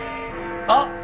あっ！